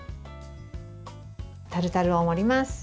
タルタルを盛ります。